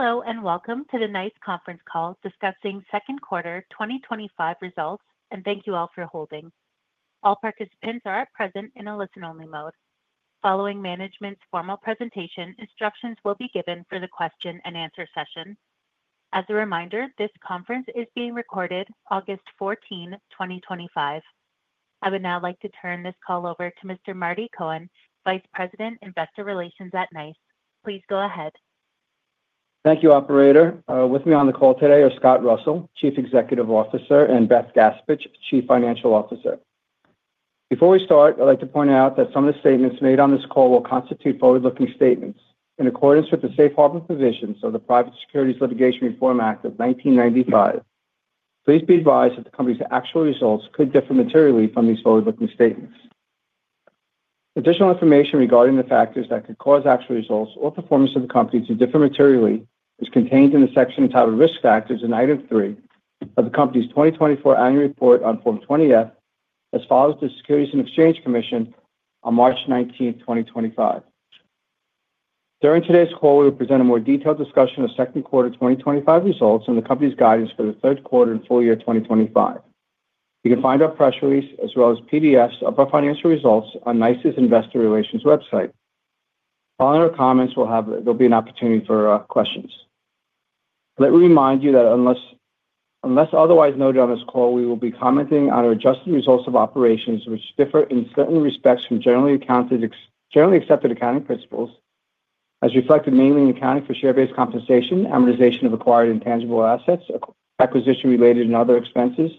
Hello and welcome to the NiCE conference call discussing second quarter 2025 results, and thank you all for holding. All participants are present in a listen-only mode. Following management's formal presentation, instructions will be given for the question and answer session. As a reminder, this conference is being recorded August 14th, 2025. I would now like to turn this call over to Mr. Marty Cohen, Vice President, Investor Relations at NiCE. Please go ahead. Thank you, Operator. With me on the call today are Scott Russell, Chief Executive Officer, and Beth Gaspich, Chief Financial Officer. Before we start, I'd like to point out that some of the statements made on this call will constitute forward-looking statements in accordance with the safe harbor provisions of the Private Securities Litigation Reform Act of 1995. Please be advised that the company's actual results could differ materially from these forward-looking statements. Additional information regarding the factors that could cause actual results or performance of the company to differ materially is contained in the section entitled Risk Factors in Item 3 of the company's 2024 annual report on Form 20-F as filed with the Securities and Exchange Commission on March 19th, 2025. During today's call, we will present a more detailed discussion of second quarter 2025 results and the company's guidance for the third quarter and full year 2025. You can find our press release as well as PDFs of our financial results on NiCE's Investor Relations website. Following our comments, there'll be an opportunity for questions. Let me remind you that unless otherwise noted on this call, we will be commenting on our adjusted results of operations, which differ in certain respects from generally accepted accounting principles, as reflected mainly in accounting for share-based compensation, amortization of acquired intangible assets, acquisition-related and other expenses,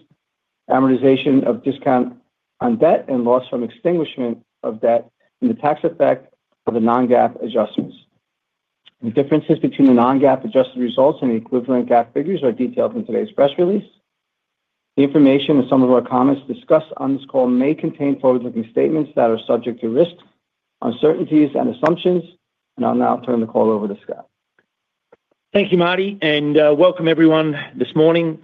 amortization of discount on debt, and loss from extinguishment of debt and the tax effect of the non-GAAP adjustments. The differences between the non-GAAP adjusted results and the equivalent GAAP figures are detailed in today's press release. The information and some of our comments discussed on this call may contain forward-looking statements that are subject to risk, uncertainties, and assumptions, and I'll now turn the call over to Scott. Thank you, Marty, and welcome everyone this morning.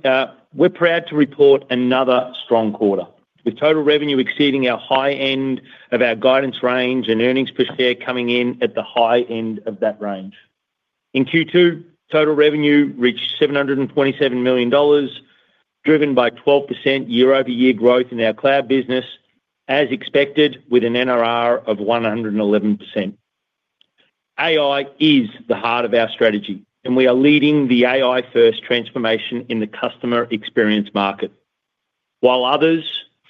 We're proud to report another strong quarter, with total revenue exceeding the high end of our guidance range and earnings per share coming in at the high end of that range. In Q2, total revenue reached $727 million, driven by 12% year-over-year growth in our cloud business, as expected, with an NRR of 111%. AI is the heart of our strategy, and we are leading the AI-first transformation in the customer experience market. While others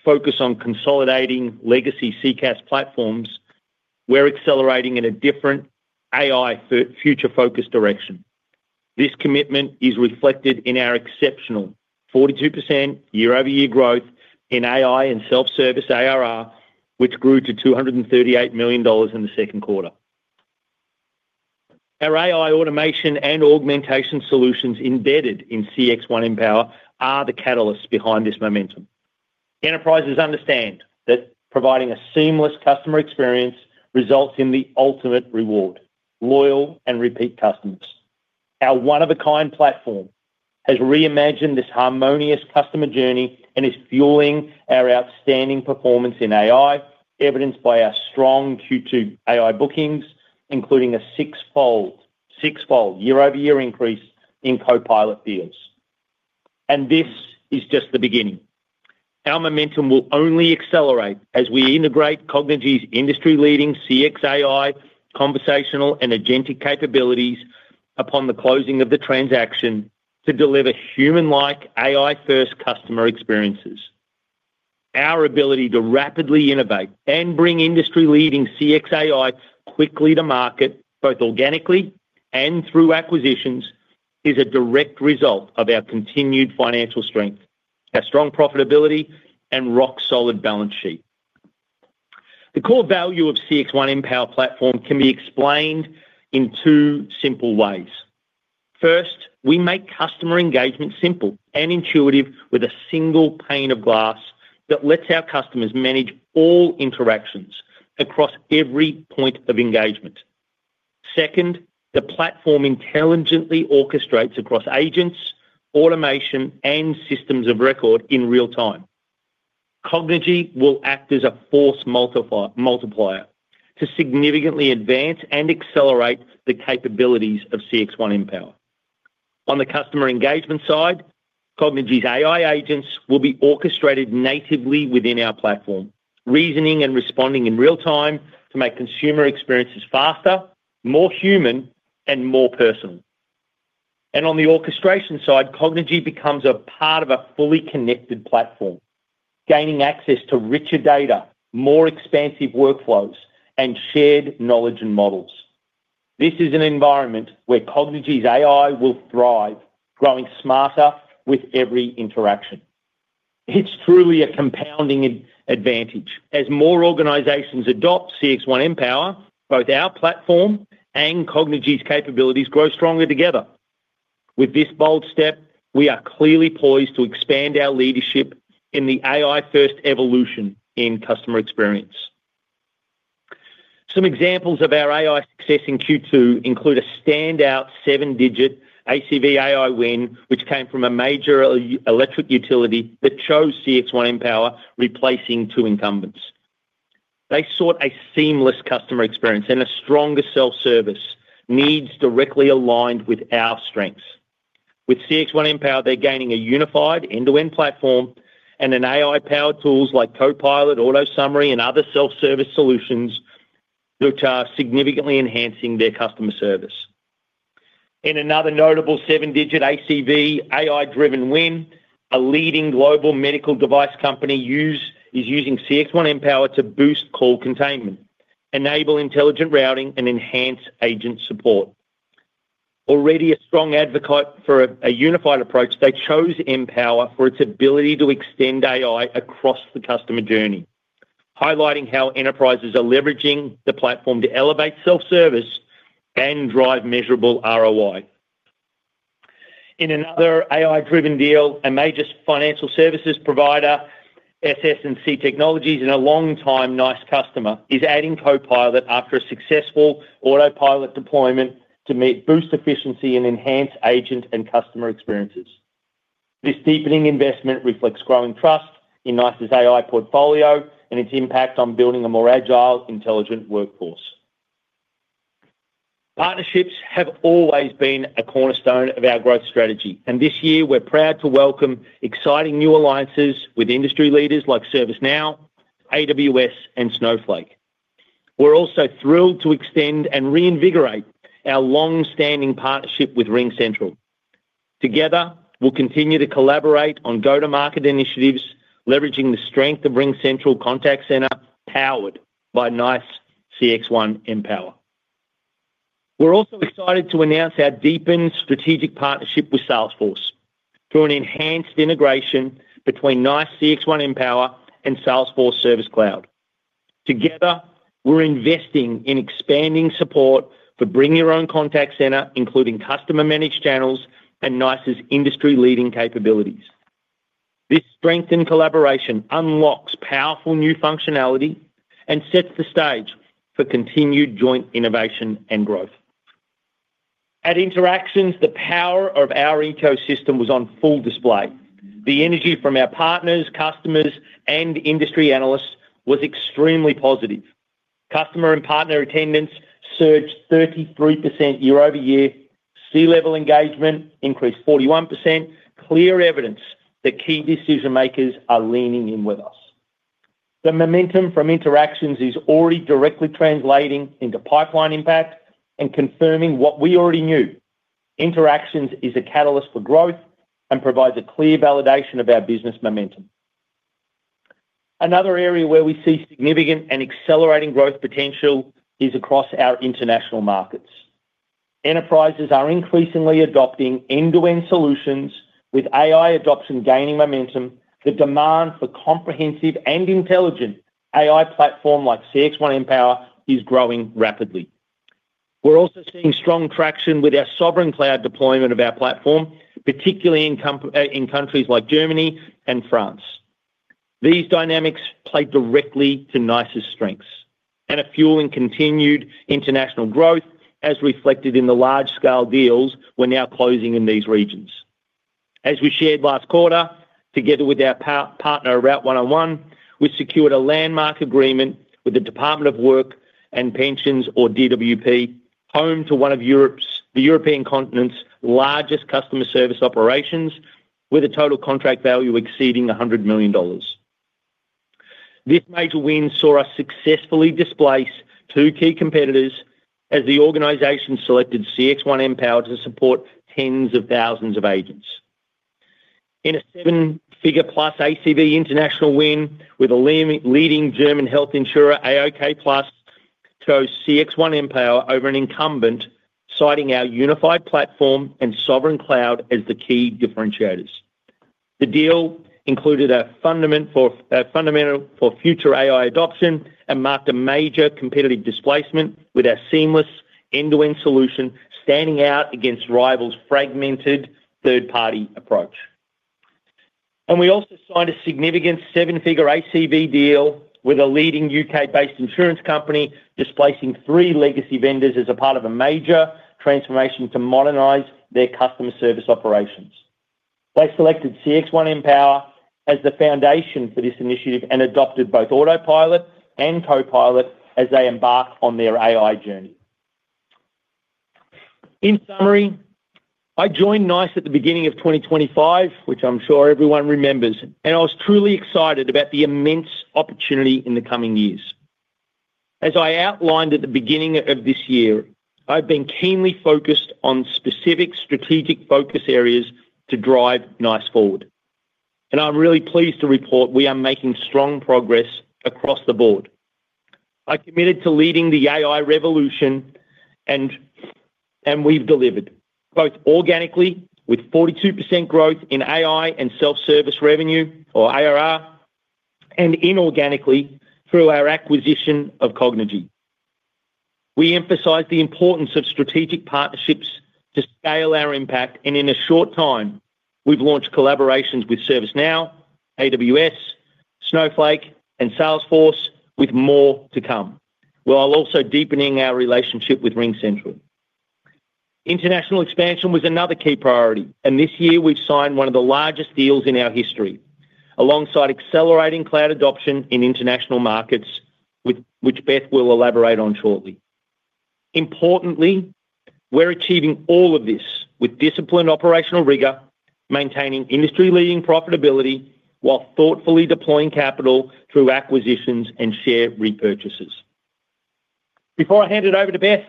focus on consolidating legacy CCaaS platforms, we're accelerating in a different AI-future-focused direction. This commitment is reflected in our exceptional 42% year-over-year growth in AI and self-service ARR, which grew to $238 million in the second quarter. Our AI automation and augmentation solutions embedded in CXone Mpower are the catalysts behind this momentum. Enterprises understand that providing a seamless customer experience results in the ultimate reward: loyal and repeat customers. Our one-of-a-kind platform has reimagined this harmonious customer journey and is fueling our outstanding performance in AI, evidenced by our strong Q2 AI bookings, including a six-fold year-over-year increase in Copilot deals. This is just the beginning. Our momentum will only accelerate as we integrate Cognigy's industry-leading CX AI conversational and agentic capabilities upon the closing of the transaction to deliver human-like AI-first customer experiences. Our ability to rapidly innovate and bring industry-leading CX AI quickly to market, both organically and through acquisitions, is a direct result of our continued financial strength, our strong profitability, and rock-solid balance sheet. The core value of the CXone Mpower platform can be explained in two simple ways. First, we make customer engagement simple and intuitive with a single pane of glass that lets our customers manage all interactions across every point of engagement. Second, the platform intelligently orchestrates across agents, automation, and systems of record in real time. Cognigy will act as a force multiplier to significantly advance and accelerate the capabilities of CXone Mpower. On the customer engagement side, Cognigy's AI agents will be orchestrated natively within our platform, reasoning and responding in real time to make consumer experiences faster, more human, and more personal. On the orchestration side, Cognigy becomes a part of a fully connected platform, gaining access to richer data, more expansive workflows, and shared knowledge and models. This is an environment where Cognigy's AI will thrive, growing smarter with every interaction. It's truly a compounding advantage. As more organizations adopt CXone Mpower, both our platform and Cognigy's capabilities grow stronger together. With this bold step, we are clearly poised to expand our leadership in the AI-first evolution in customer experience. Some examples of our AI success in Q2 include a standout seven-digit ACV AI win, which came from a major electric utility that chose CXone Mpower, replacing two incumbents. They sought a seamless customer experience and a stronger self-service, needs directly aligned with our strengths. With CXone Mpower, they're gaining a unified end-to-end platform and AI-powered tools like Copilot, AutoSummary, and other self-service solutions that are significantly enhancing their customer service. In another notable seven-digit ACV AI-driven win, a leading global medical device company is using CXone Mpower to boost call containment, enable intelligent routing, and enhance agent support. Already a strong advocate for a unified approach, they chose Mpower for its ability to extend AI across the customer journey, highlighting how enterprises are leveraging the platform to elevate self-service and drive measurable ROI. In another AI-driven deal, a major financial services provider, SS&C Technologies, and a long-time NiCE customer, is adding Copilot after a successful Autopilot deployment to boost efficiency and enhance agent and customer experiences. This deepening investment reflects growing trust in NiCE's AI portfolio and its impact on building a more agile, intelligent workforce. Partnerships have always been a cornerstone of our growth strategy. This year we're proud to welcome exciting new alliances with industry leaders like ServiceNow, AWS, and Snowflake. We're also thrilled to extend and reinvigorate our longstanding partnership with RingCentral. Together, we'll continue to collaborate on go-to-market initiatives, leveraging the strength of RingCentral Contact Center, powered by NiCE CXone Mpower. We're also excited to announce our deepened strategic partnership with Salesforce through an enhanced integration between NiCE CXone Mpower and Salesforce Service Cloud. Together, we're investing in expanding support for bring-your-own contact center, including customer-managed channels and NiCE's industry-leading capabilities. This strengthened collaboration unlocks powerful new functionality and sets the stage for continued joint innovation and growth. At Interactions, the power of our ecosystem was on full display. The energy from our partners, customers, and industry analysts was extremely positive. Customer and partner attendance surged 33% year-over-year. C-level engagement increased 41%, clear evidence that key decision makers are leaning in with us. The momentum from Interactions is already directly translating into pipeline impact and confirming what we already knew. Interactions is a catalyst for growth and provides a clear validation of our business momentum. Another area where we see significant and accelerating growth potential is across our international markets. Enterprises are increasingly adopting end-to-end solutions, with AI adoption gaining momentum. The demand for comprehensive and intelligent AI platforms like CXone Mpower is growing rapidly. We're also seeing strong traction with our sovereign cloud deployments of our platform, particularly in countries like Germany and France. These dynamics play directly to NiCE's strengths and are fueling continued international growth, as reflected in the large-scale deals we're now closing in these regions. As we shared last quarter, together with our partner Route 101, we've secured a landmark agreement with the Department of Work and Pensions, or DWP, home to one of the European continent's largest customer service operations, with a total contract value exceeding $100 million. This major win saw us successfully displace two key competitors as the organization selected CXone Mpower to support tens of thousands of agents. In a seven-figure plus ACV international win with a leading German health insurer, AOK Plus chose CXone Mpower over an incumbent, citing our unified platform and sovereign cloud as the key differentiators. The deal included a fundamental for future AI adoption and marked a major competitive displacement with our seamless end-to-end solution standing out against rivals' fragmented third-party approach. We also signed a significant seven-figure ACV deal with a leading U.K.-based insurance company, displacing three legacy vendors as a part of a major transformation to modernize their customer service operations. They selected CXone Mpower as the foundation for this initiative and adopted both Autopilot and Copilot as they embark on their AI journey. In summary, I joined NiCE at the beginning of 2025, which I'm sure everyone remembers, and I was truly excited about the immense opportunity in the coming years. As I outlined at the beginning of this year, I've been keenly focused on specific strategic focus areas to drive NiCE forward. I'm really pleased to report we are making strong progress across the board. I committed to leading the AI revolution, and we've delivered both organically with 42% growth in AI and self-service revenue, or ARR, and inorganically through our acquisition of Cognigy. We emphasize the importance of strategic partnerships to scale our impact, and in a short time, we've launched collaborations with ServiceNow, AWS, Snowflake, and Salesforce, with more to come, while also deepening our relationship with RingCentral. International expansion was another key priority, and this year we've signed one of the largest deals in our history, alongside accelerating cloud adoption in international markets, which Beth will elaborate on shortly. Importantly, we're achieving all of this with disciplined operational rigor, maintaining industry-leading profitability while thoughtfully deploying capital through acquisitions and share repurchases. Before I hand it over to Beth,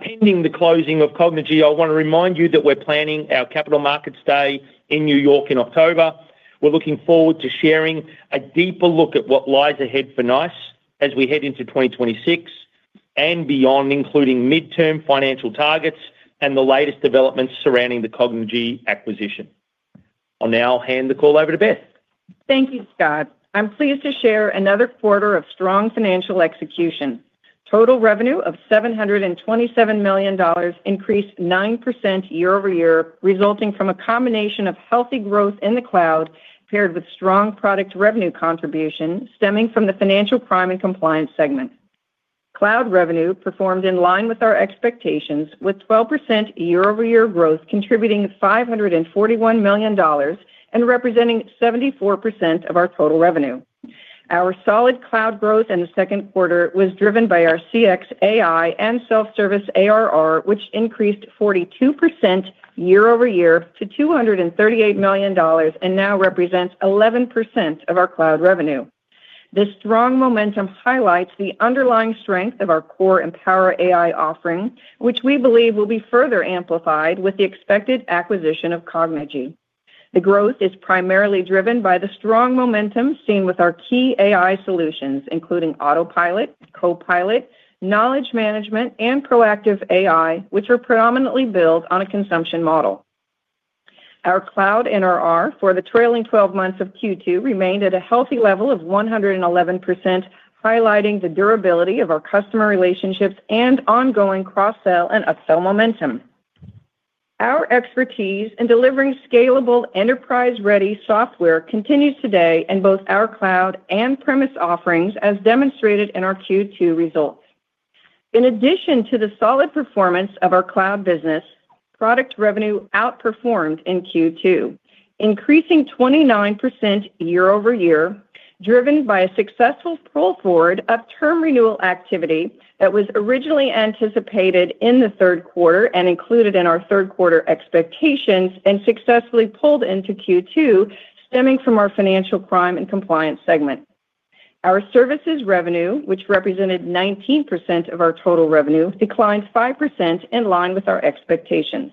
pending the closing of Cognigy, I want to remind you that we're planning our Capital Markets Day in New York in October. We're looking forward to sharing a deeper look at what lies ahead for NiCE as we head into 2026 and beyond, including midterm financial targets and the latest developments surrounding the Cognigy acquisition. I'll now hand the call over to Beth. Thank you, Scott. I'm pleased to share another quarter of strong financial execution. Total revenue of $727 million increased 9% year-over-year, resulting from a combination of healthy growth in the cloud paired with strong product revenue contribution stemming from the financial crime and compliance segment. Cloud revenue performed in line with our expectations, with 12% year-over-year growth contributing $541 million and representing 74% of our total revenue. Our solid cloud growth in the second quarter was driven by our CX AI and self-service ARR, which increased 42% year-over-year to $238 million and now represents 11% of our cloud revenue. This strong momentum highlights the underlying strength of our core Mpower AI offering, which we believe will be further amplified with the expected acquisition of Cognigy. The growth is primarily driven by the strong momentum seen with our key AI solutions, including Autopilot, Copilot, knowledge management, and proactive AI, which are predominantly built on a consumption model. Our cloud NRR for the trailing 12 months of Q2 remained at a healthy level of 111%, highlighting the durability of our customer relationships and ongoing cross-sell and upsell momentum. Our expertise in delivering scalable enterprise-ready software continues today in both our cloud and premise offerings, as demonstrated in our Q2 results. In addition to the solid performance of our cloud business, product revenue outperformed in Q2, increasing 29% year-over-year, driven by a successful pull forward of term renewal activity that was originally anticipated in the third quarter and included in our third quarter expectations and successfully pulled into Q2, stemming from our financial crime and compliance segment. Our services revenue, which represented 19% of our total revenue, declined 5% in line with our expectations.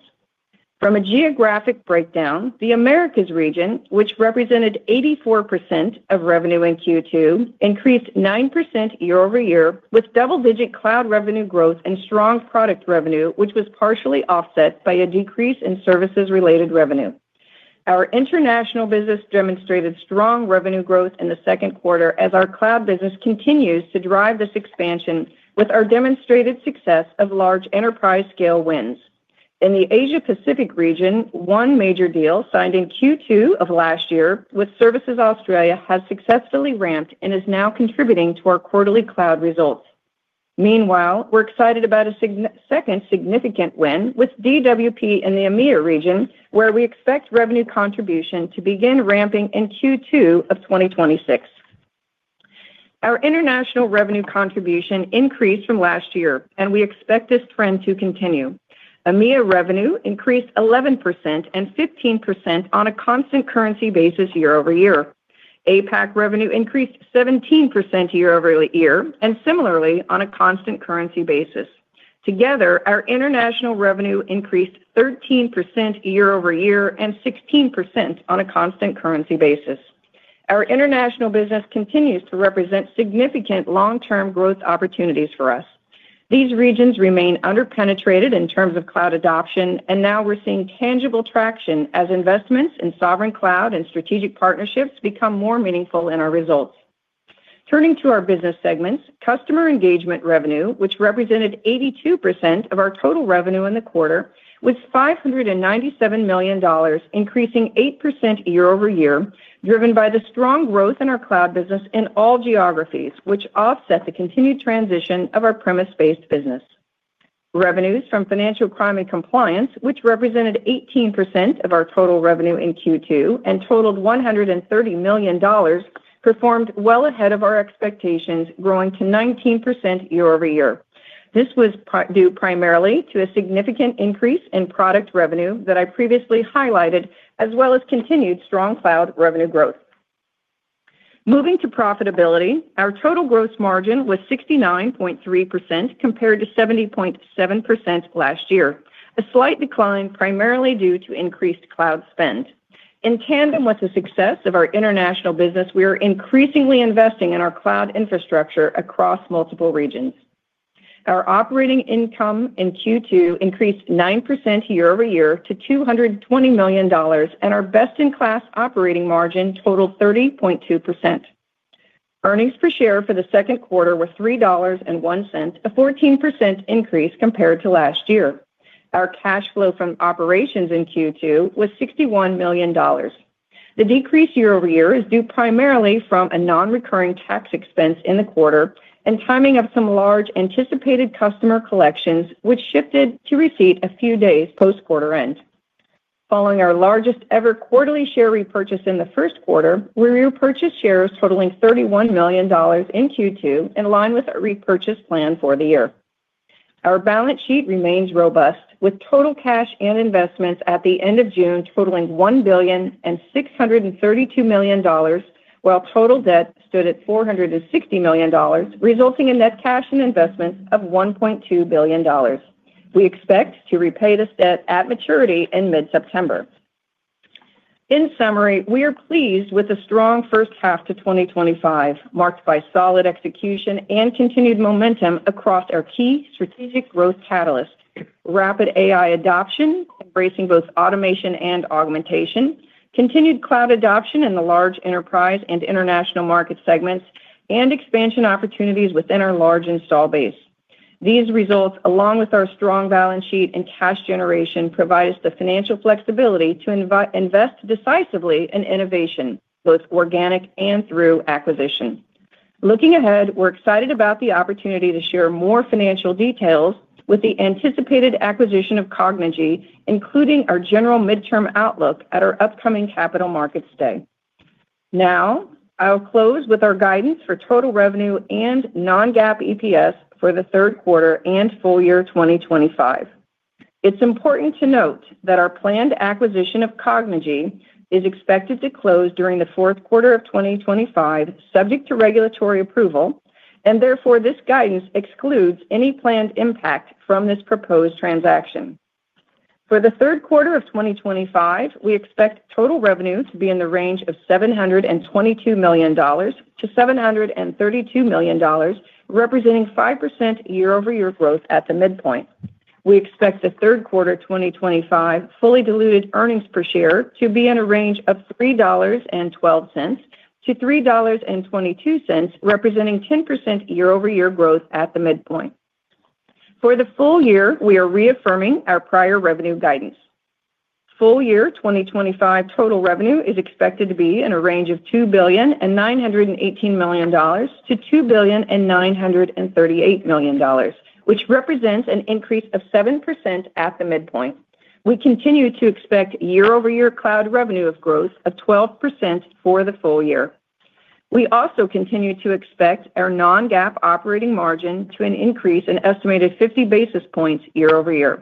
From a geographic breakdown, the Americas region, which represented 84% of revenue in Q2, increased 9% year-over-year, with double-digit cloud revenue growth and strong product revenue, which was partially offset by a decrease in services-related revenue. Our international business demonstrated strong revenue growth in the second quarter, as our cloud business continues to drive this expansion with our demonstrated success of large enterprise-scale wins. In the Asia-Pacific region, one major deal signed in Q2 of last year with Services Australia has successfully ramped and is now contributing to our quarterly cloud results. Meanwhile, we're excited about a second significant win with the DWP in the EMEA region, where we expect revenue contribution to begin ramping in Q2 of 2026. Our international revenue contribution increased from last year, and we expect this trend to continue. EMEA revenue increased 11% and 15% on a constant currency basis year-over-year. APAC revenue increased 17% year-over-year and similarly on a constant currency basis. Together, our international revenue increased 13% year-over-year and 16% on a constant currency basis. Our international business continues to represent significant long-term growth opportunities for us. These regions remain underpenetrated in terms of cloud adoption, and now we're seeing tangible traction as investments in sovereign cloud and strategic partnerships become more meaningful in our results. Turning to our business segments, customer engagement revenue, which represented 82% of our total revenue in the quarter, was $597 million, increasing 8% year-over-year, driven by the strong growth in our cloud business in all geographies, which offset the continued transition of our premise-based business. Revenues from financial crime and compliance, which represented 18% of our total revenue in Q2 and totaled $130 million, performed well ahead of our expectations, growing to 19% year-over-year. This was due primarily to a significant increase in product revenue that I previously highlighted, as well as continued strong cloud revenue growth. Moving to profitability, our total gross margin was 69.3% compared to 70.7% last year, a slight decline primarily due to increased cloud spend. In tandem with the success of our international business, we are increasingly investing in our cloud infrastructure across multiple regions. Our operating income in Q2 increased 9% year-over-year to $220 million, and our best-in-class operating margin totaled 30.2%. Earnings per share for the second quarter were $3.01, a 14% increase compared to last year. Our cash flow from operations in Q2 was $61 million. The decrease year-over-year is due primarily from a non-recurring tax expense in the quarter and timing of some large anticipated customer collections, which shifted to receipt a few days post-quarter end. Following our largest ever quarterly share repurchase in the first quarter, we repurchased shares totaling $31 million in Q2 in line with our repurchase plan for the year. Our balance sheet remains robust, with total cash and investments at the end of June totaling $1,632,000,000, while total debt stood at $460 million, resulting in net cash and investments of $1.2 billion. We expect to repay this debt at maturity in mid-September. In summary, we are pleased with a strong first half to 2025, marked by solid execution and continued momentum across our key strategic growth catalysts: rapid AI adoption, embracing both automation and augmentation, continued cloud adoption in the large enterprise and international market segments, and expansion opportunities within our large install base. These results, along with our strong balance sheet and cash generation, provide us the financial flexibility to invest decisively in innovation, both organic and through acquisition. Looking ahead, we're excited about the opportunity to share more financial details with the anticipated acquisition of Cognigy, including our general midterm outlook at our upcoming Capital Markets Day. Now, I'll close with our guidance for total revenue and non-GAAP EPS for the third quarter and full year 2025. It's important to note that our planned acquisition of Cognigy is expected to close during the fourth quarter of 2025, subject to regulatory approval, and therefore this guidance excludes any planned impact from this proposed transaction. For the third quarter of 2025, we expect total revenue to be in the range of $722 million-$732 million, representing 5% YoY growth at the midpoint. We expect the third quarter of 2025 fully diluted earnings per share to be in a range of $3.12-$3.22, representing 10% YoY growth at the midpoint. For the full year, we are reaffirming our prior revenue guidance. Full year 2025 total revenue is expected to be in a range of $2,918,000,000-$2,938,000,000, which represents an increase of 7% at the midpoint. We continue to expect YoY cloud revenue growth of 12% for the full year. We also continue to expect our non-GAAP operating margin to increase an estimated 50 basis points YoY.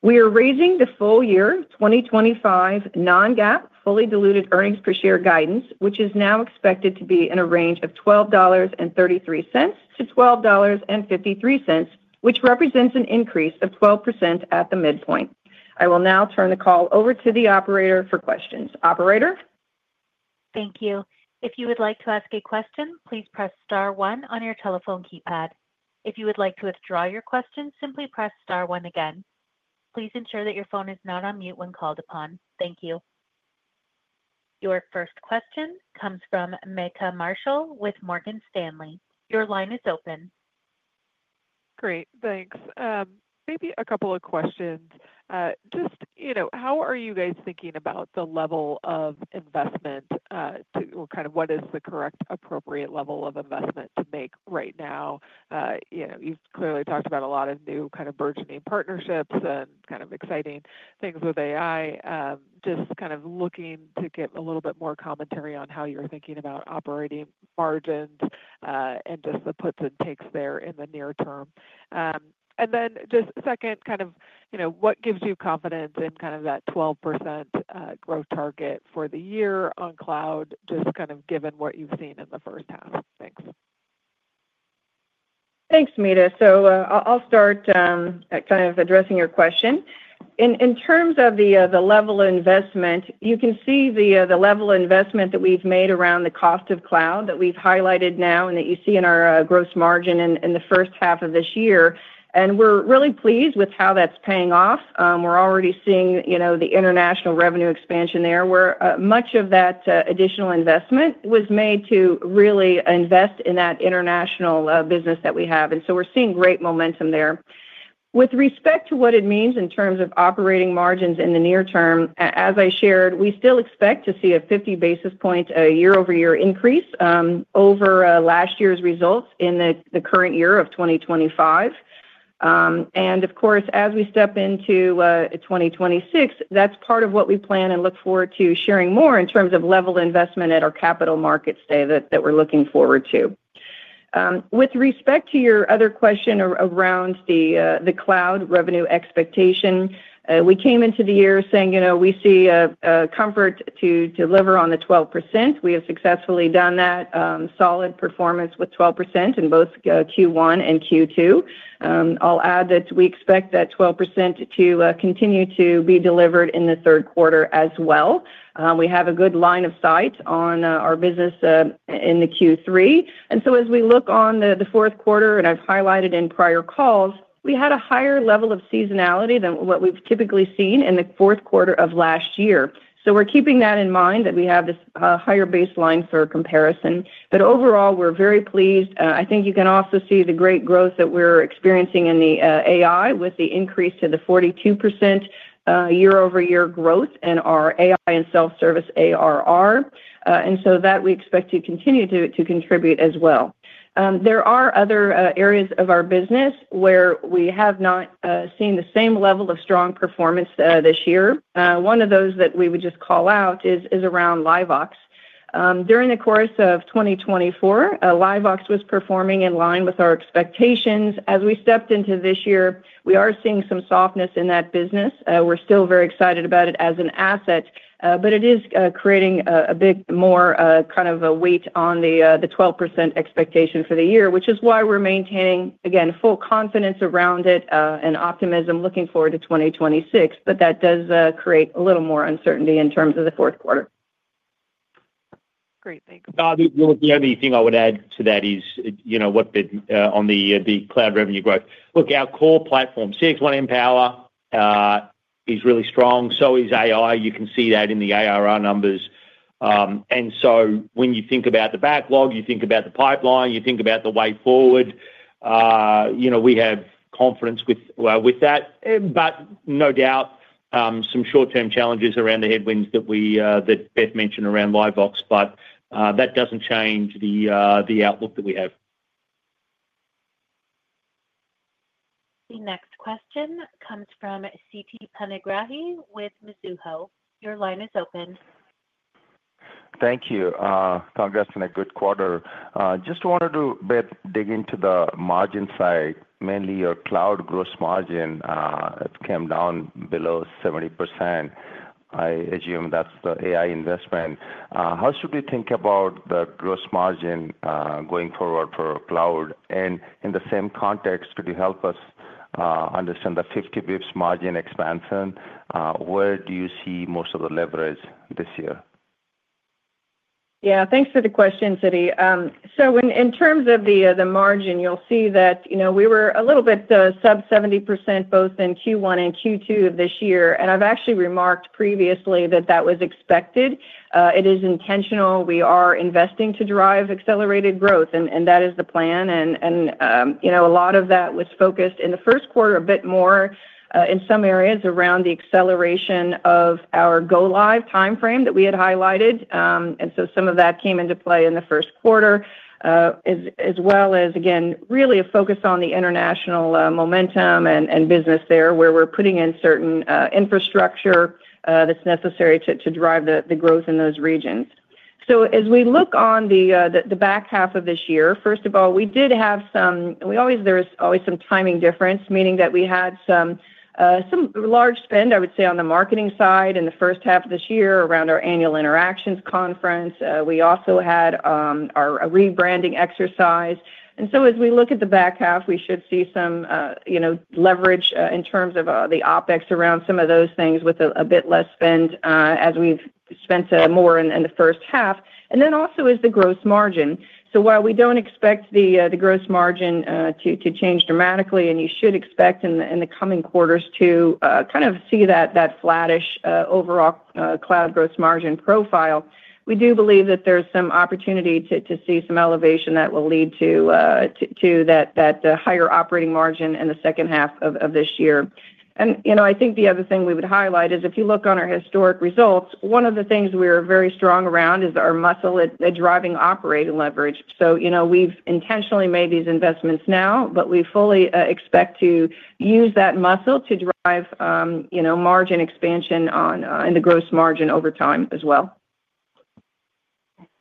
We are raising the full year 2025 non-GAAP fully diluted earnings per share guidance, which is now expected to be in a range of $12.33-$12.53, which represents an increase of 12% at the midpoint. I will now turn the call over to the operator for questions. Operator? Thank you. If you would like to ask a question, please press star one on your telephone keypad. If you would like to withdraw your question, simply press star one again. Please ensure that your phone is not on mute when called upon. Thank you. Your first question comes from Meta Marshall with Morgan Stanley. Your line is open. Great, thanks. Maybe a couple of questions. How are you guys thinking about the level of investment? What is the correct, appropriate level of investment to make right now? You've clearly talked about a lot of new burgeoning partnerships and exciting things with AI. Looking to get a little bit more commentary on how you're thinking about operating margins and the puts and takes there in the near term. Second, what gives you confidence in that 12% growth target for the year on cloud, given what you've seen in the first half? Thanks. Thanks, Meta. I'll start kind of addressing your question. In terms of the level of investment, you can see the level of investment that we've made around the cost of cloud that we've highlighted now and that you see in our gross margin in the first half of this year. We're really pleased with how that's paying off. We're already seeing the international revenue expansion there, where much of that additional investment was made to really invest in that international business that we have. We're seeing great momentum there. With respect to what it means in terms of operating margins in the near term, as I shared, we still expect to see a 50 basis point year-over-year increase over last year's results in the current year of 2025. Of course, as we step into 2026, that's part of what we plan and look forward to sharing more in terms of level of investment at our Capital Markets Day that we're looking forward to. With respect to your other question around the cloud revenue expectation, we came into the year saying we see a comfort to deliver on the 12%. We have successfully done that, solid performance with 12% in both Q1 and Q2. I'll add that we expect that 12% to continue to be delivered in the third quarter as well. We have a good line of sight on our business in Q3. As we look on the fourth quarter, and I've highlighted in prior calls, we had a higher level of seasonality than what we've typically seen in the fourth quarter of last year. We're keeping that in mind that we have this higher baseline for comparison. Overall, we're very pleased. I think you can also see the great growth that we're experiencing in the AI with the increase to the 42% year-over-year growth in our AI and self-service ARR. We expect that to continue to contribute as well. There are other areas of our business where we have not seen the same level of strong performance this year. One of those that we would just call out is around LiveVox. During the course of 2024, LiveVox was performing in line with our expectations. As we stepped into this year, we are seeing some softness in that business. We're still very excited about it as an asset, but it is creating a bit more of a weight on the 12% expectation for the year, which is why we're maintaining, again, full confidence around it and optimism, looking forward to 2026. That does create a little more uncertainty in terms of the fourth quarter. Great, thank you. The only thing I would add to that is, you know, on the cloud revenue growth, our core platform, CXone Mpower, is really strong. So is AI. You can see that in the ARR numbers. When you think about the backlog, you think about the pipeline, you think about the way forward. You know, we have confidence with that, but no doubt some short-term challenges around the headwinds that Beth mentioned around LiveVox, but that doesn't change the outlook that we have. The next question comes from Siti Panigrahi with Mizuho. Your line is open. Thank you. Congrats on a good quarter. Just wanted to, Beth, dig into the margin side, mainly your cloud gross margin. It came down below 70%. I assume that's the AI investment. How should we think about the gross margin going forward for cloud? In the same context, could you help us understand the 50 basis points margin expansion? Where do you see most of the leverage this year? Yeah, thanks for the question, Siti. In terms of the margin, you'll see that we were a little bit sub 70% both in Q1 and Q2 of this year. I've actually remarked previously that that was expected. It is intentional. We are investing to drive accelerated growth, and that is the plan. A lot of that was focused in the first quarter a bit more in some areas around the acceleration of our go live timeframe that we had highlighted. Some of that came into play in the first quarter, as well as, again, really a focus on the international momentum and business there, where we're putting in certain infrastructure that's necessary to drive the growth in those regions. As we look on the back half of this year, first of all, we did have some, and we always, there is always some timing difference, meaning that we had some large spend, I would say, on the marketing side in the first half of this year around our annual Interactions conference. We also had our rebranding exercise. As we look at the back half, we should see some leverage in terms of the OpEx around some of those things with a bit less spend as we've spent more in the first half. Also is the gross margin. While we don't expect the gross margin to change dramatically, and you should expect in the coming quarters to kind of see that flattish overall cloud gross margin profile, we do believe that there's some opportunity to see some elevation that will lead to that higher operating margin in the second half of this year. I think the other thing we would highlight is if you look on our historic results, one of the things we are very strong around is our muscle at driving operating leverage. We've intentionally made these investments now, but we fully expect to use that muscle to drive margin expansion on the gross margin over time as well.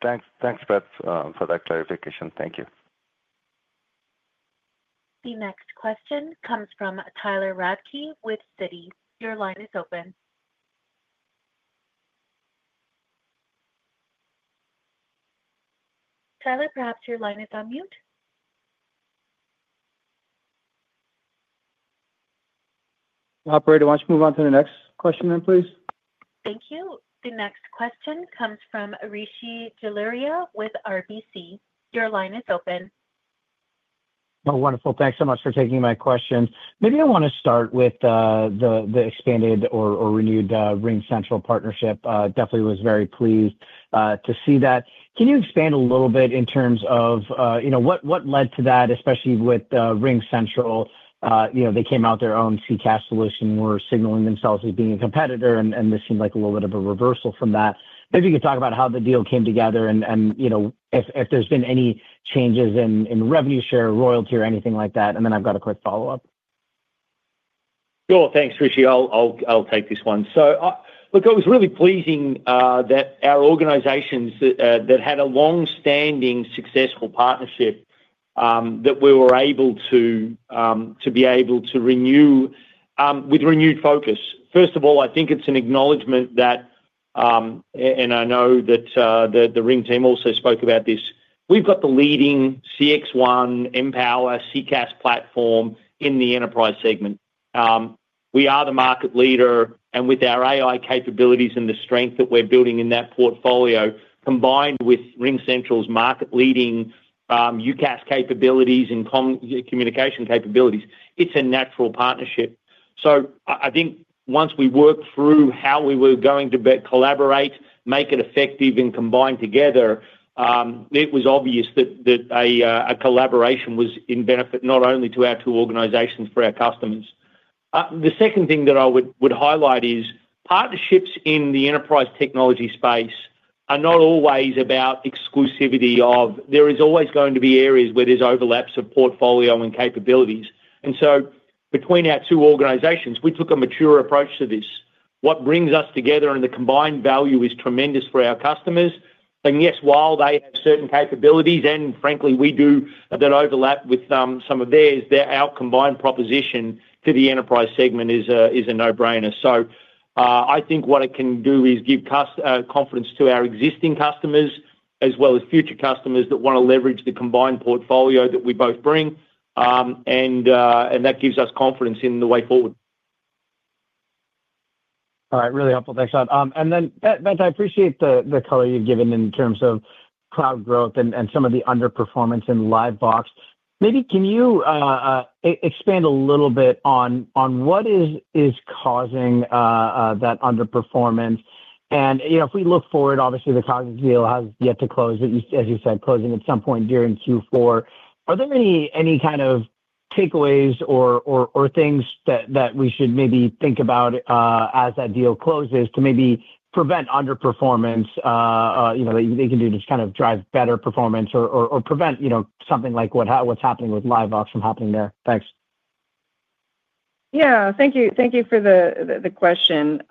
Thanks, Beth, for that clarification. Thank you. The next question comes from Tyler Radke with Citi. Your line is open. Tyler Radke, your line is on mute. Operator, why don't you move on to the next question, please? Thank you. The next question comes from Rishi Jaluria with RBC. Your line is open. Oh, wonderful. Thanks so much for taking my question. Maybe I want to start with the expanded or renewed RingCentral partnership. Definitely was very pleased to see that. Can you expand a little bit in terms of what led to that, especially with RingCentral? They came out with their own CCaaS solution and were signaling themselves as being a competitor, and this seemed like a little bit of a reversal from that. Maybe you could talk about how the deal came together and if there's been any changes in revenue share or royalty or anything like that. I've got a quick follow-up. Thanks, Rishi. I'll take this one. It was really pleasing that our organizations that had a longstanding successful partnership were able to renew with renewed focus. First of all, I think it's an acknowledgment that, and I know that the RingCentral team also spoke about this, we've got the leading CXone Mpower CCaaS platform in the enterprise segment. We are the market leader, and with our AI capabilities and the strength that we're building in that portfolio, combined with RingCentral's market-leading UCaaS capabilities and communication capabilities, it's a natural partnership. I think once we worked through how we were going to better collaborate, make it effective, and combine together, it was obvious that a collaboration was in benefit not only to our two organizations, but for our customers. The second thing that I would highlight is partnerships in the enterprise technology space are not always about exclusivity. There is always going to be areas where there's overlaps of portfolio and capabilities. Between our two organizations, we took a mature approach to this. What brings us together and the combined value is tremendous for our customers. Yes, while they have certain capabilities, and frankly, we do a bit of overlap with some of theirs, our combined proposition to the enterprise segment is a no-brainer. I think what it can do is give confidence to our existing customers, as well as future customers that want to leverage the combined portfolio that we both bring. That gives us confidence in the way forward. All right, really helpful. Thanks, Scott. Beth, I appreciate the color you've given in terms of cloud growth and some of the underperformance in LiveVox. Maybe can you expand a little bit on what is causing that underperformance? If we look forward, obviously the cloud deal has yet to close, as you said, closing at some point during Q4. Are there any kind of takeaways or things that we should maybe think about as that deal closes to maybe prevent underperformance? That you can do to just kind of drive better performance or prevent something like what's happening with LiveVox from happening there? Thanks. Thank you for the question.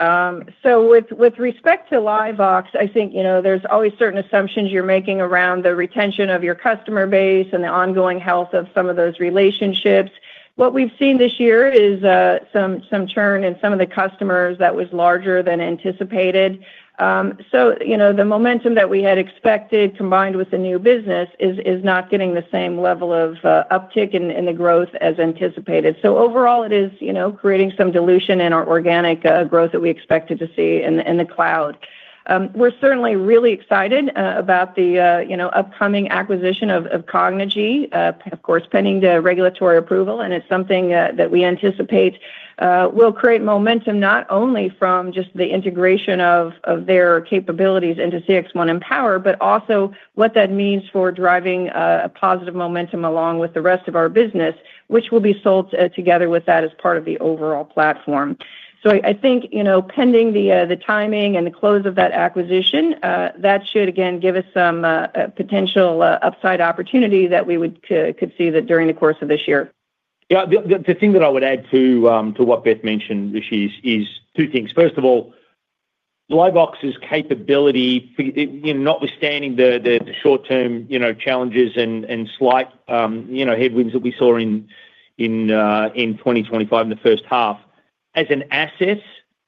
With respect to LiveVox, I think there's always certain assumptions you're making around the retention of your customer base and the ongoing health of some of those relationships. What we've seen this year is some churn in some of the customers that was larger than anticipated. The momentum that we had expected, combined with the new business, is not getting the same level of uptick in the growth as anticipated. Overall, it is creating some dilution in our organic growth that we expected to see in the cloud. We're certainly really excited about the upcoming acquisition of Cognigy, of course, pending the regulatory approval, and it's something that we anticipate will create momentum not only from just the integration of their capabilities into CXone Mpower, but also what that means for driving a positive momentum along with the rest of our business, which will be sold together with that as part of the overall platform. I think, pending the timing and the close of that acquisition, that should, again, give us some potential upside opportunity that we could see during the course of this year. Yeah, the thing that I would add to what Beth mentioned, Rishi, is two things. First of all, LiveVox's capability, notwithstanding the short-term challenges and slight headwinds that we saw in 2025 in the first half, as an asset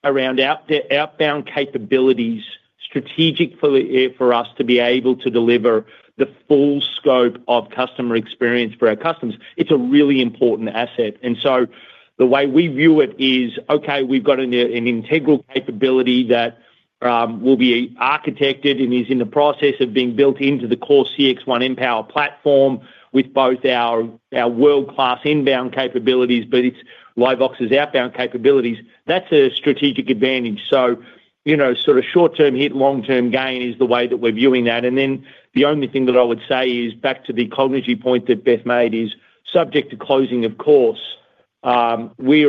around outbound capabilities, is strategic for us to be able to deliver the full scope of customer experience for our customers. It's a really important asset. The way we view it is, okay, we've got an integral capability that will be architected and is in the process of being built into the core CXone Mpower platform with both our world-class inbound capabilities, but it's LiveVox's outbound capabilities. That's a strategic advantage. Short-term hit, long-term gain is the way that we're viewing that. The only thing that I would say is back to the Cognigy point that Beth made, is subject to closing, of course. We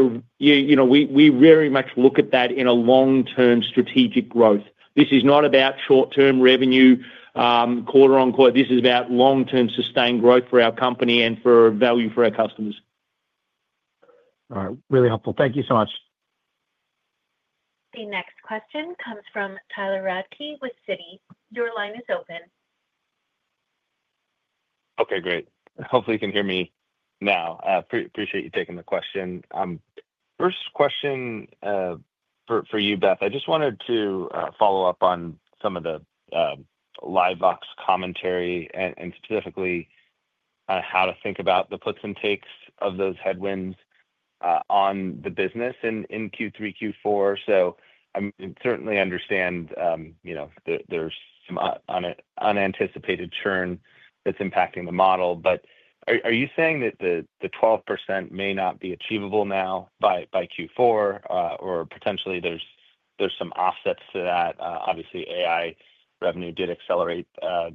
very much look at that in a long-term strategic growth. This is not about short-term revenue, quote unquote. This is about long-term sustained growth for our company and for value for our customers. All right, really helpful. Thank you so much. The next question comes from Tyler Radke with Citi. Your line is open. Okay, great. Hopefully, you can hear me now. I appreciate you taking the question. First question for you, Beth. I just wanted to follow up on some of the LiveVox commentary and specifically kind of how to think about the puts and takes of those headwinds on the business in Q3, Q4. I certainly understand there's some unanticipated churn that's impacting the model. Are you saying that the 12% may not be achievable now by Q4? Potentially, there's some offsets to that. Obviously, AI revenue did accelerate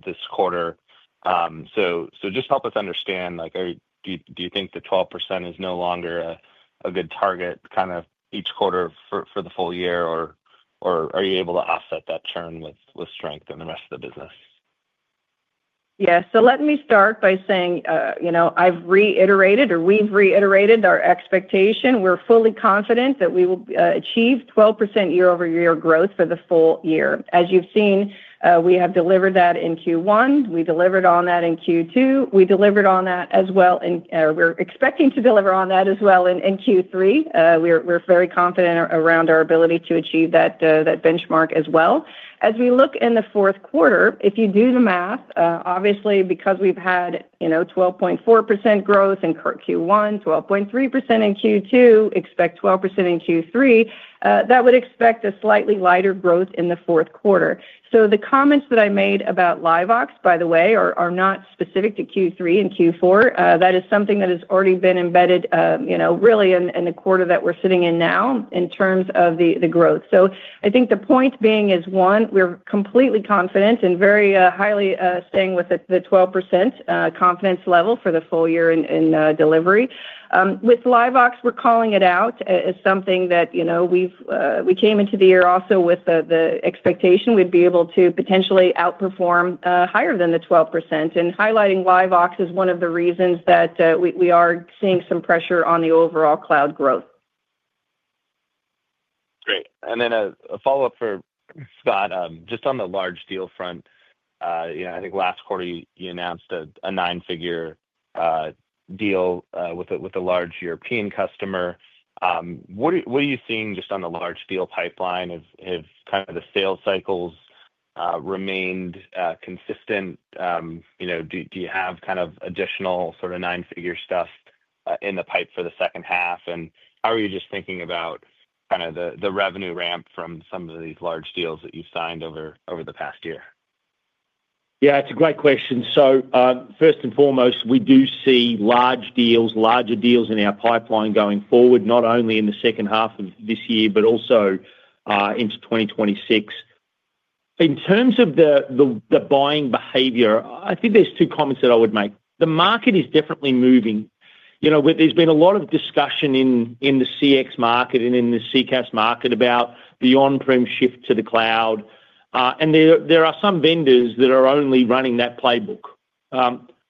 this quarter. Just help us understand, do you think the 12% is no longer a good target kind of each quarter for the full year? Are you able to offset that churn with strength in the rest of the business? Let me start by saying, you know, I've reiterated or we've reiterated our expectation. We're fully confident that we will achieve 12% year-over-year growth for the full year. As you've seen, we have delivered that in Q1. We delivered on that in Q2. We delivered on that as well, and we're expecting to deliver on that as well in Q3. We're very confident around our ability to achieve that benchmark as well. As we look in the fourth quarter, if you do the math, obviously, because we've had 12.4% growth in Q1, 12.3% in Q2, expect 12% in Q3, that would expect a slightly lighter growth in the fourth quarter. The comments that I made about LiveVox, by the way, are not specific to Q3 and Q4. That is something that has already been embedded, you know, really in the quarter that we're sitting in now in terms of the growth. I think the point being is, one, we're completely confident and very highly staying with the 12% confidence level for the full year in delivery. With LiveVox, we're calling it out as something that, you know, we came into the year also with the expectation we'd be able to potentially outperform higher than the 12%. Highlighting LiveVox is one of the reasons that we are seeing some pressure on the overall cloud growth. Great. A follow-up for Scott, just on the large deal front. I think last quarter you announced a nine-figure deal with a large European customer. What are you seeing just on the large deal pipeline? Have the sales cycles remained consistent? Do you have additional sort of nine-figure stuff in the pipe for the second half? How are you thinking about the revenue ramp from some of these large deals that you've signed over the past year? Yeah, it's a great question. First and foremost, we do see large deals, larger deals in our pipeline going forward, not only in the second half of this year, but also into 2026. In terms of the buying behavior, I think there's two comments that I would make. The market is definitely moving. There's been a lot of discussion in the CX market and in the CCaaS market about the on-prem shift to the cloud. There are some vendors that are only running that playbook.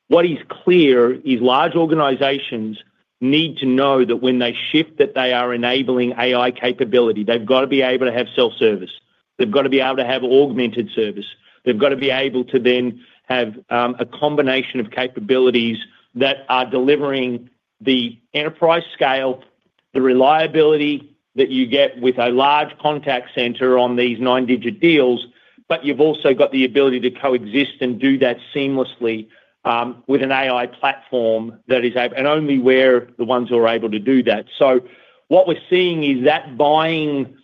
What is clear is large organizations need to know that when they shift, they are enabling AI capability. They've got to be able to have self-service. They've got to be able to have augmented service. They've got to be able to then have a combination of capabilities that are delivering the enterprise scale, the reliability that you get with a large contact center on these nine-digit deals, but you've also got the ability to coexist and do that seamlessly with an AI platform that is able and only we're the ones who are able to do that. What we're seeing is that buying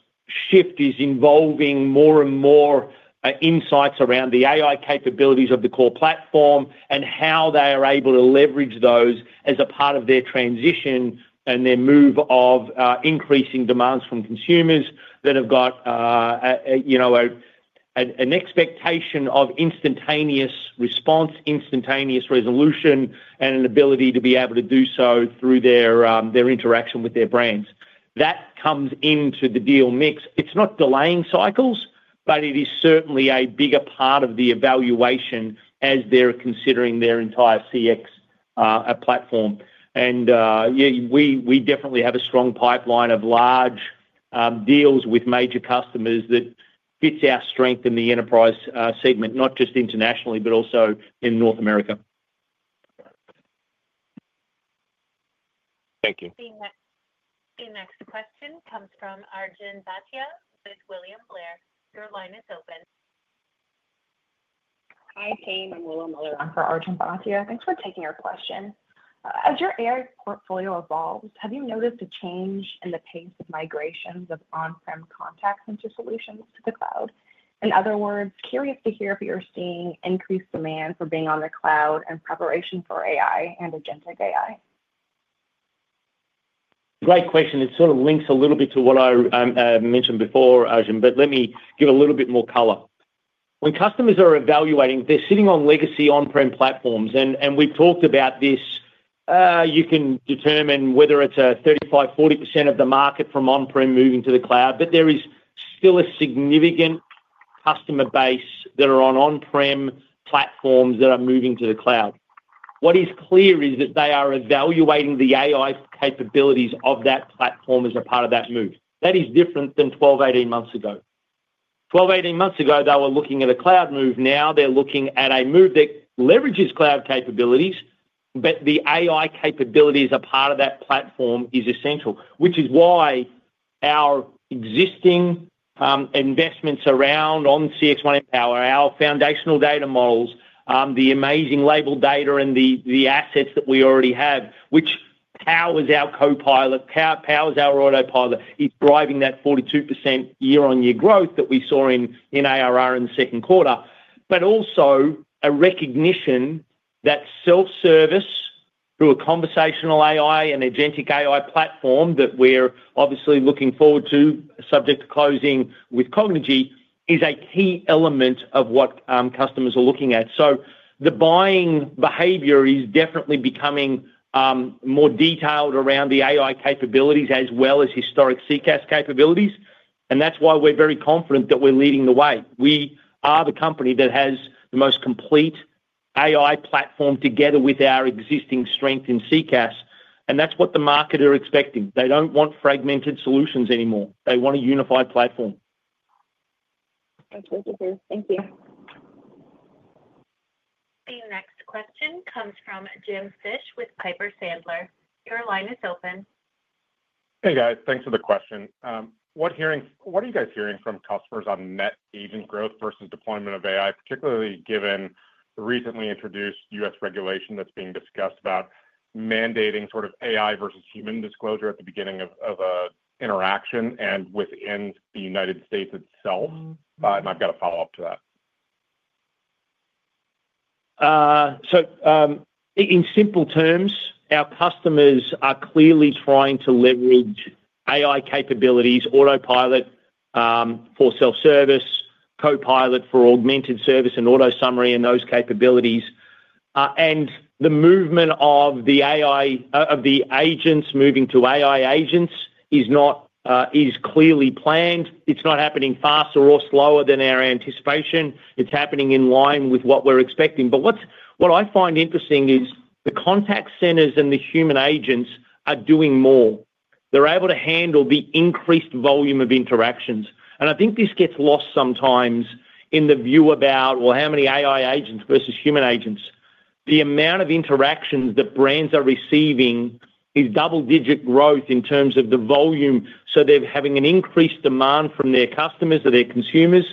shift is involving more and more insights around the AI capabilities of the core platform and how they are able to leverage those as a part of their transition and their move of increasing demands from consumers that have got an expectation of instantaneous response, instantaneous resolution, and an ability to be able to do so through their interaction with their brands. That comes into the deal mix. It's not delaying cycles, but it is certainly a bigger part of the evaluation as they're considering their entire CX platform. We definitely have a strong pipeline of large deals with major customers that fit our strength in the enterprise segment, not just internationally, but also in North America. Thank you. The next question comes from Arjun Bhatia with William Blair. Your line is open. Hi, team. I'm William Blair. I'm for Arjun Bhatia. Thanks for taking your question. As your AI portfolio evolves, have you noticed a change in the pace of migrations of on-prem contacts into solutions to the cloud? In other words, curious to hear if you're seeing increased demand for being on the cloud and preparation for AI and agentic AI. Great question. It sort of links a little bit to what I mentioned before, Arjun, but let me give a little bit more color. When customers are evaluating, they're sitting on legacy on-prem platforms. We talked about this. You can determine whether it's 35% or 40% of the market from on-prem moving to the cloud, but there is still a significant customer base that are on on-prem platforms that are moving to the cloud. What is clear is that they are evaluating the AI capabilities of that platform as a part of that move. That is different than 12-18 months ago. 12-18 months ago, they were looking at a cloud move. Now they're looking at a move that leverages cloud capabilities, but the AI capabilities that are part of that platform are essential, which is why our existing investments around CXone Mpower, our foundational data models, the amazing labeled data, and the assets that we already have, which powers our Copilot, powers our Autopilot, is driving that 42% YoY growth that we saw in ARR in the second quarter. There is also a recognition that self-service through a conversational AI and agentic AI platform that we're obviously looking forward to, subject to closing with Cognigy, is a key element of what customers are looking at. The buying behavior is definitely becoming more detailed around the AI capabilities as well as historic CCaaS capabilities. That is why we're very confident that we're leading the way. We are the company that has the most complete AI platform together with our existing strength in CCaaS. That is what the market is expecting. They don't want fragmented solutions anymore. They want a unified platform. That's really good. Thank you. The next question comes from Jim Fish with Piper Sandler. Your line is open. Hey, guys. Thanks for the question. What are you guys hearing from customers on net agent growth versus deployment of AI, particularly given the recently introduced U.S. regulation that's being discussed about mandating sort of AI versus human disclosure at the beginning of an interaction within the United States itself? I've got a follow-up to that. In simple terms, our customers are clearly trying to leverage AI capabilities, Autopilot for self-service, Copilot for augmented service, and AutoSummary and those capabilities. The movement of the AI of the agents moving to AI agents is clearly planned. It's not happening faster or slower than our anticipation. It's happening in line with what we're expecting. What I find interesting is the contact centers and the human agents are doing more. They're able to handle the increased volume of interactions. I think this gets lost sometimes in the view about how many AI agents versus human agents. The amount of interactions that brands are receiving is double-digit growth in terms of the volume. They're having an increased demand from their customers or their consumers,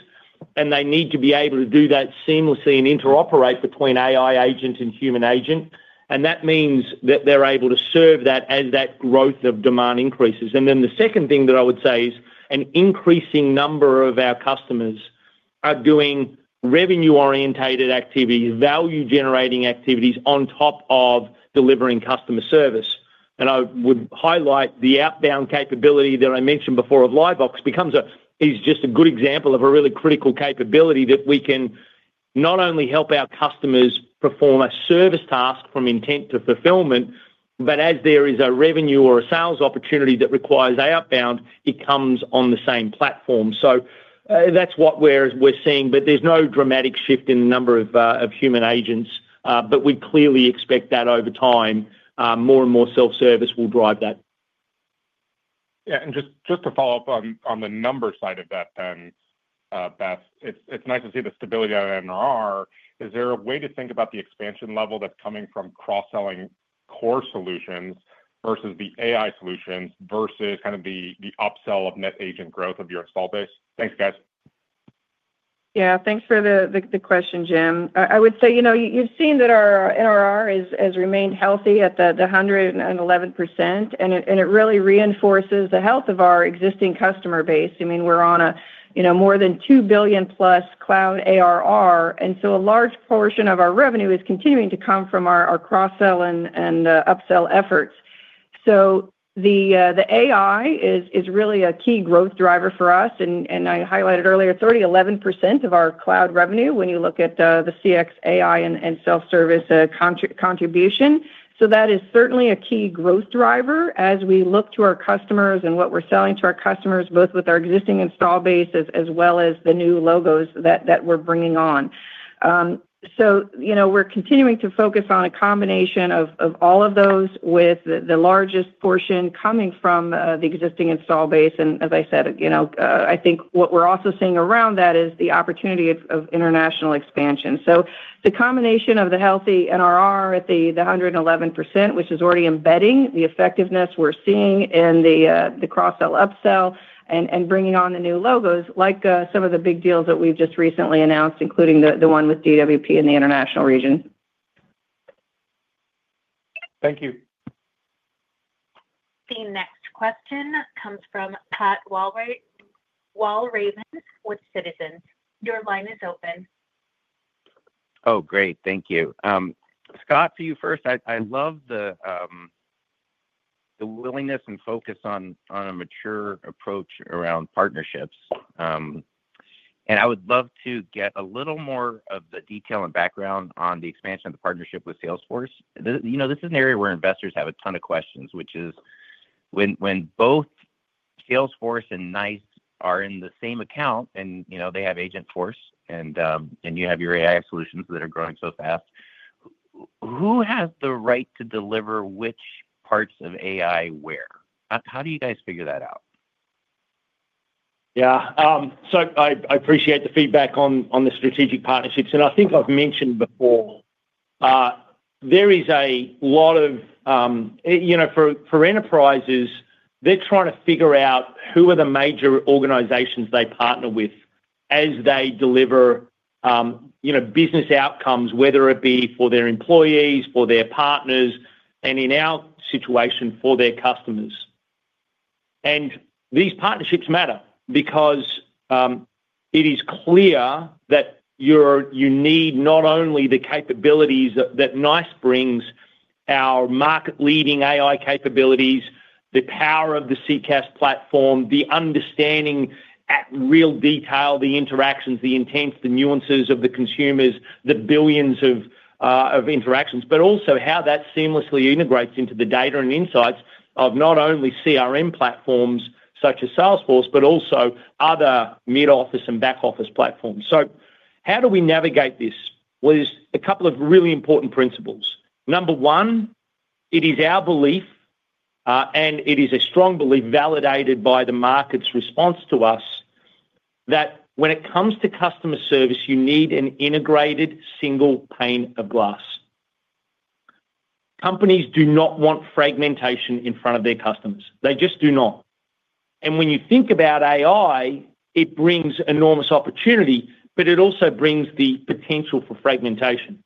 and they need to be able to do that seamlessly and interoperate between AI agent and human agent. That means that they're able to serve that as that growth of demand increases. The second thing that I would say is an increasing number of our customers are doing revenue-oriented activities, value-generating activities on top of delivering customer service. I would highlight the outbound capability that I mentioned before of LiveVox, which is just a good example of a really critical capability that we can not only help our customers perform a service task from intent to fulfillment, but as there is a revenue or a sales opportunity that requires outbound, it comes on the same platform. That's what we're seeing. There's no dramatic shift in the number of human agents, but we clearly expect that over time. More and more self-service will drive that. Yeah, and just to follow up on the number side of that then, Beth, it's NiCE to see the stability of NRR. Is there a way to think about the expansion level that's coming from cross-selling core solutions versus the AI solutions versus kind of the upsell of net agent growth of your install base? Thanks, guys. Yeah, thanks for the question, Jim. I would say, you know, you've seen that our NRR has remained healthy at the 111%, and it really reinforces the health of our existing customer base. I mean, we're on a, you know, more than $2+ billion cloud ARR, and a large portion of our revenue is continuing to come from our cross-sell and upsell efforts. The AI is really a key growth driver for us. I highlighted earlier, [11%] of our cloud revenue when you look at the CX AI and self-service contribution. That is certainly a key growth driver as we look to our customers and what we're selling to our customers, both with our existing install base as well as the new logos that we're bringing on. We're continuing to focus on a combination of all of those with the largest portion coming from the existing install base. I think what we're also seeing around that is the opportunity of international expansion. The combination of the healthy NRR at the 111%, which is already embedding the effectiveness we're seeing in the cross-sell upsell and bringing on the new logos, like some of the big deals that we've just recently announced, including the one with the DWP in the international region. Thank you. The next question comes from Pat Walravens with Citizens. Your line is open. Oh, great. Thank you. Scott, to you first. I love the willingness and focus on a mature approach around partnerships. I would love to get a little more of the detail and background on the expansion of the partnership with Salesforce. This is an area where investors have a ton of questions, which is when both Salesforce and NiCE are in the same account and, you know, they have Agentforce and you have your AI solutions that are growing so fast, who has the right to deliver which parts of AI where? How do you guys figure that out? I appreciate the feedback on the strategic partnerships. I think I've mentioned before, there is a lot of, you know, for enterprises, they're trying to figure out who are the major organizations they partner with as they deliver, you know, business outcomes, whether it be for their employees, for their partners, and in our situation, for their customers. These partnerships matter because it is clear that you need not only the capabilities that NiCE brings, our market-leading AI capabilities, the power of the CCaaS platform, the understanding at real detail the interactions, the intents, the nuances of the consumers, the billions of interactions, but also how that seamlessly integrates into the data and insights of not only CRM platforms such as Salesforce, but also other mid-office and back-office platforms. How do we navigate this? There are a couple of really important principles. Number one, it is our belief, and it is a strong belief validated by the market's response to us, that when it comes to customer service, you need an integrated single pane of glass. Companies do not want fragmentation in front of their customers. They just do not. When you think about AI, it brings enormous opportunity, but it also brings the potential for fragmentation.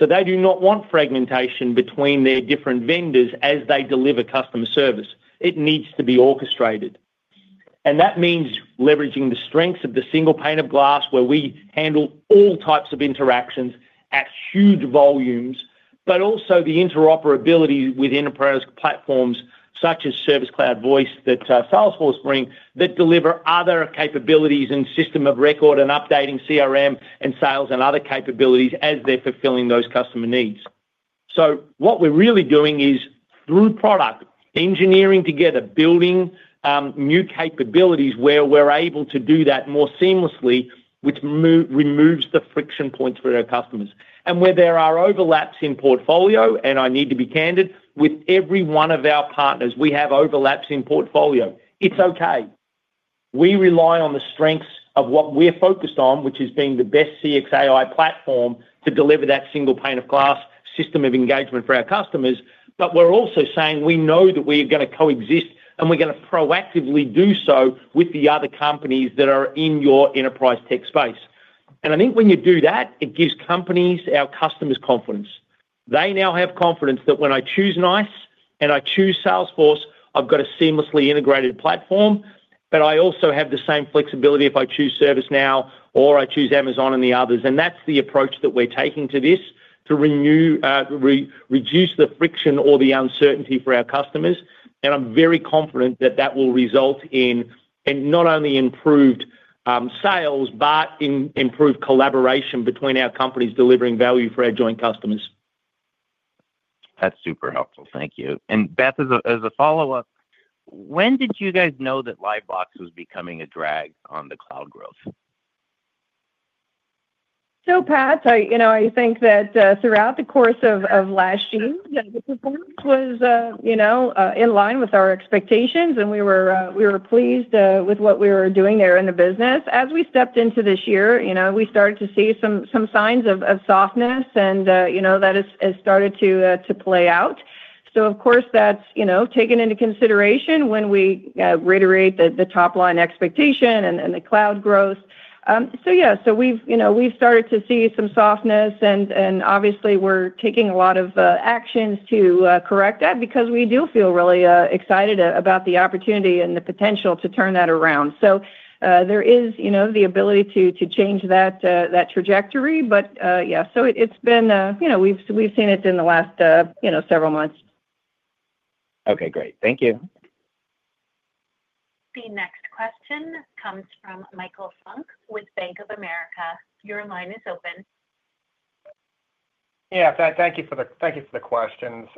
They do not want fragmentation between their different vendors as they deliver customer service. It needs to be orchestrated. That means leveraging the strengths of the single pane of glass where we handle all types of interactions at huge volumes, but also the interoperability with enterprise platforms such as Service Cloud Voice that Salesforce brings that deliver other capabilities and system of record and updating CRM and sales and other capabilities as they're fulfilling those customer needs. What we're really doing is through product, engineering together, building new capabilities where we're able to do that more seamlessly, which removes the friction points for our customers. Where there are overlaps in portfolio, and I need to be candid, with every one of our partners, we have overlaps in portfolio. It's okay. We rely on the strengths of what we're focused on, which is being the best CX AI platform to deliver that single pane of glass system of engagement for our customers. We're also saying we know that we're going to coexist, and we're going to proactively do so with the other companies that are in your enterprise tech space. I think when you do that, it gives companies, our customers, confidence. They now have confidence that when I choose NiCE and I choose Salesforce, I've got a seamlessly integrated platform. I also have the same flexibility if I choose ServiceNow or I choose Amazon and the others. That is the approach that we're taking to this to reduce the friction or the uncertainty for our customers. I'm very confident that will result in not only improved sales, but in improved collaboration between our companies delivering value for our joint customers. That's super helpful. Thank you. Beth, as a follow-up, when did you guys know that LiveVox was becoming a drag on the cloud growth? Pat, I think that throughout the course of last year, the performance was in line with our expectations, and we were pleased with what we were doing there in the business. As we stepped into this year, we started to see some signs of softness, and that has started to play out. Of course, that's taken into consideration when we reiterate the top-line expectation and the cloud growth. We've started to see some softness, and obviously, we're taking a lot of actions to correct that because we do feel really excited about the opportunity and the potential to turn that around. There is the ability to change that trajectory, but it's been, we've seen it in the last several months. Okay, great. Thank you. The next question comes from Michael Funk with Bank of America. Your line is open. Thank you for the questions.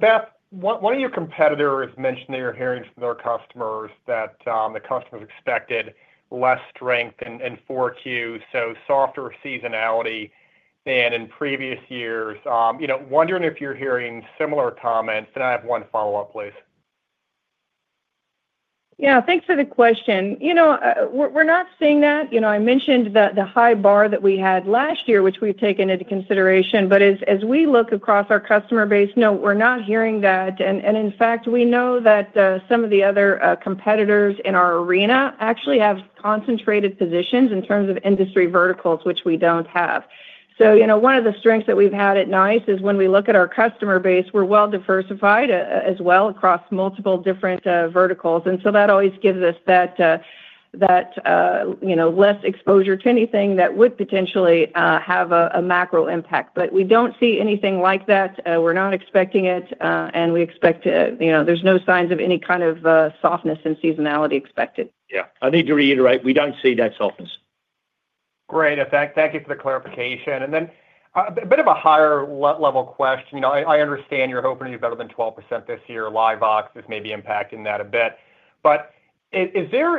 Beth, one of your competitors mentioned that you're hearing from their customers that the customers expected less strength in 4Q, so softer seasonality than in previous years. Wondering if you're hearing similar comments, and I have one follow-up, please. Yeah, thanks for the question. We're not seeing that. I mentioned the high bar that we had last year, which we've taken into consideration, but as we look across our customer base, no, we're not hearing that. In fact, we know that some of the other competitors in our arena actually have concentrated positions in terms of industry verticals, which we don't have. One of the strengths that we've had at NiCE is when we look at our customer base, we're well diversified as well across multiple different verticals. That always gives us less exposure to anything that would potentially have a macro impact. We don't see anything like that. We're not expecting it, and we expect to, you know, there's no signs of any kind of softness in seasonality expected. Yeah, I need to reiterate, we don't see that softness. Great. Thank you for the clarification. A bit of a higher level question. I understand you're hoping to do better than 12% this year. LiveVox is maybe impacting that a bit. Is there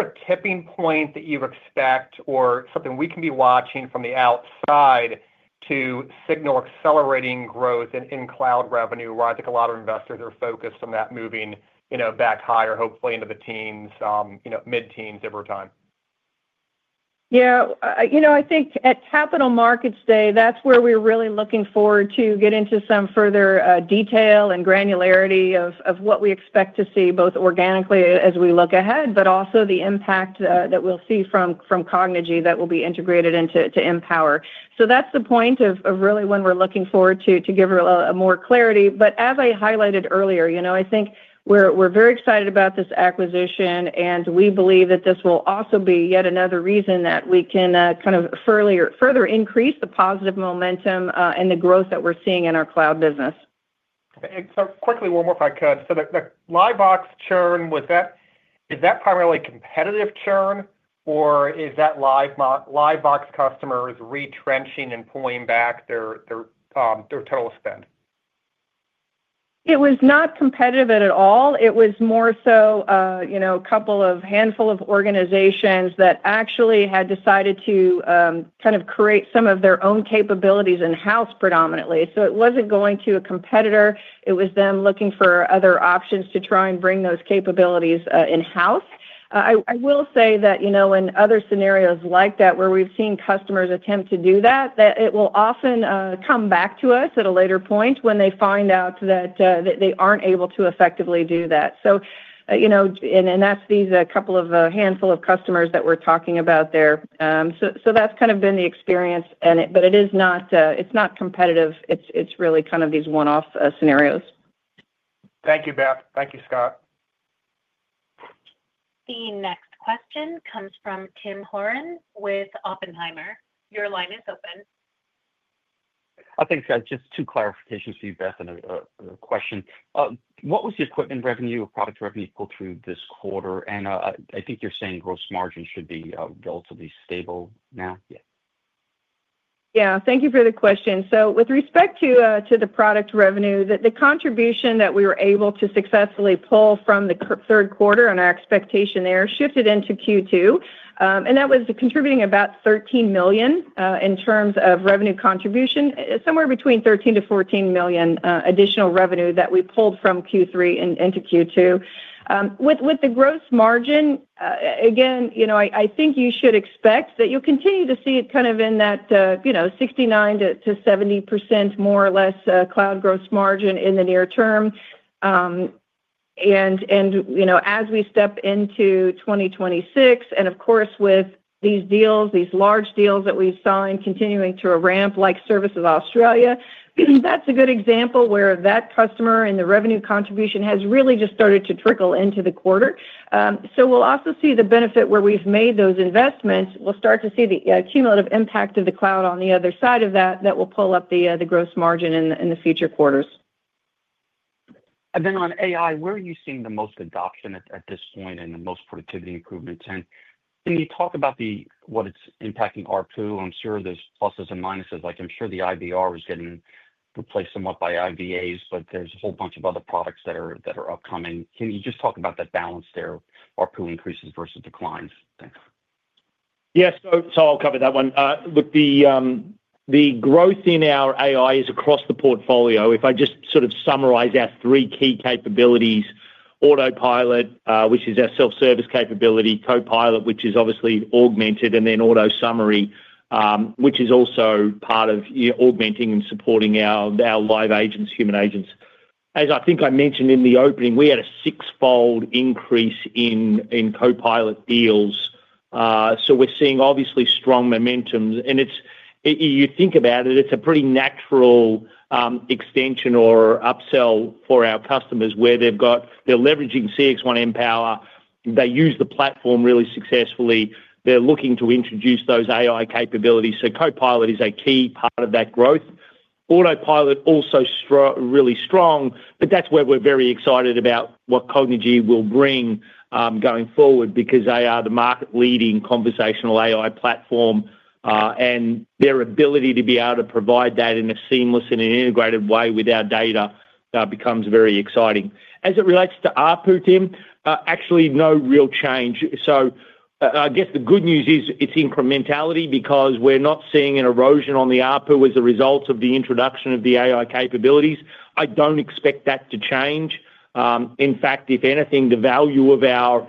a tipping point that you expect or something we can be watching from the outside to signal accelerating growth in cloud revenue, where I think a lot of investors are focused on that moving back higher, hopefully into the teens, mid-teens over time? Yeah, I think at Capital Markets Day, that's where we're really looking forward to getting into some further detail and granularity of what we expect to see both organically as we look ahead, but also the impact that we'll see from Cognigy that will be integrated into Mpower. That's the point of really when we're looking forward to give more clarity. As I highlighted earlier, I think we're very excited about this acquisition, and we believe that this will also be yet another reason that we can kind of further increase the positive momentum and the growth that we're seeing in our cloud business. Okay, quickly, one more if I could. The LiveVox churn, was that primarily competitive churn, or is that LiveVox customers retrenching and pulling back their total spend? It was not competitive at all. It was more so, you know, a couple of handful of organizations that actually had decided to kind of create some of their own capabilities in-house predominantly. It wasn't going to a competitor. It was them looking for other options to try and bring those capabilities in-house. I will say that in other scenarios like that, where we've seen customers attempt to do that, it will often come back to us at a later point when they find out that they aren't able to effectively do that. These are a couple of handful of customers that we're talking about there. That's kind of been the experience, but it is not, it's not competitive. It's really kind of these one-off scenarios. Thank you, Beth. Thank you, Scott. The next question comes from Tim Horan with Oppenheimer. Your line is open. I think just two clarifications for you, Beth, and a question. What was the equipment revenue or product revenue pull through this quarter? I think you're saying gross margins should be relatively stable now. Yeah, thank you for the question. With respect to the product revenue, the contribution that we were able to successfully pull from the third quarter and our expectation there shifted into Q2. That was contributing about $13 million in terms of revenue contribution, somewhere between $13 million-$14 million additional revenue that we pulled from Q3 into Q2. With the gross margin, again, I think you should expect that you'll continue to see it kind of in that 69%-70% more or less cloud gross margin in the near term. As we step into 2026, and of course, with these deals, these large deals that we've signed continuing to ramp like Services Australia, that's a good example where that customer and the revenue contribution has really just started to trickle into the quarter. We'll also see the benefit where we've made those investments. We'll start to see the cumulative impact of the cloud on the other side of that that will pull up the gross margin in the future quarters. Where are you seeing the most adoption at this point and the most productivity improvements on AI? Can you talk about what it's impacting ARPU? I'm sure there's pluses and minuses. I'm sure the IVR is getting replaced somewhat by IVAs, but there's a whole bunch of other products that are upcoming. Can you just talk about that balance there, ARPU increases versus declines? Yeah, I'll cover that one. Look, the growth in our AI is across the portfolio. If I just sort of summarize our three key capabilities: Autopilot, which is our self-service capability; Copilot, which is obviously augmented; and then AutoSummary, which is also part of augmenting and supporting our live agents, human agents. As I think I mentioned in the opening, we had a six-fold increase in Copilot deals. We're seeing obviously strong momentum. You think about it, it's a pretty natural extension or upsell for our customers where they're leveraging CXone Mpower. They use the platform really successfully. They're looking to introduce those AI capabilities. Copilot is a key part of that growth. Autopilot also is really strong. That's where we're very excited about what Cognigy will bring going forward because they are the market-leading conversational AI platform. Their ability to be able to provide that in a seamless and integrated way with our data becomes very exciting. As it relates to ARPU, Tim, actually no real change. The good news is it's incrementality because we're not seeing an erosion on the ARPU as a result of the introduction of the AI capabilities. I don't expect that to change. In fact, if anything, the value of our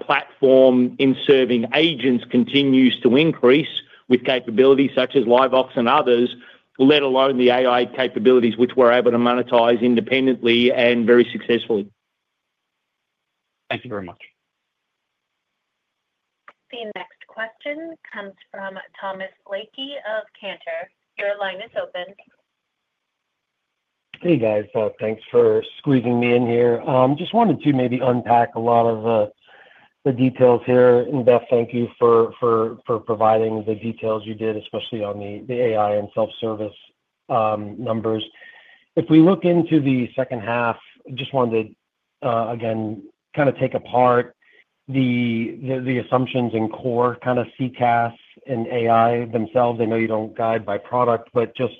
platform in serving agents continues to increase with capabilities such as LiveVox and others, let alone the AI capabilities, which we're able to monetize independently and very successfully. Thank you very much. The next question comes from Thomas Blakey of Cantor. Your line is open. Hey, guys. Thanks for squeezing me in here. I just wanted to maybe unpack a lot of the details here. Beth, thank you for providing the details you did, especially on the AI and self-service numbers. If we look into the second half, I just wanted to, again, kind of take apart the assumptions in core kind of CCaaS and AI themselves. I know you don't guide by product, but just,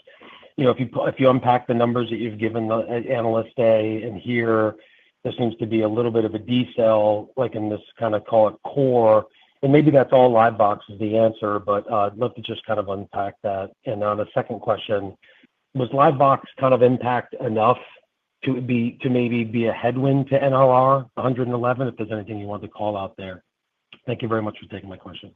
you know, if you unpack the numbers that you've given the analyst A and here, there seems to be a little bit of a decel, like in this kind of call it core. Maybe that's all LiveVox is the answer, but I'd love to just kind of unpack that. On the second question, was LiveVox kind of impact enough to maybe be a headwind to NRR 111% if there's anything you wanted to call out there? Thank you very much for taking my questions.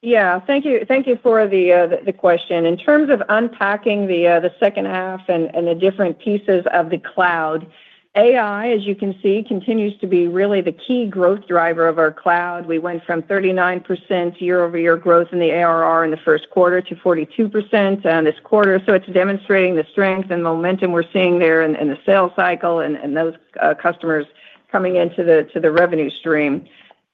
Yeah, thank you. Thank you for the question. In terms of unpacking the second half and the different pieces of the cloud, AI, as you can see, continues to be really the key growth driver of our cloud. We went from 39% YoY growth in the ARR in the first quarter to 42% this quarter. It's demonstrating the strength and momentum we're seeing there in the sales cycle and those customers coming into the revenue stream.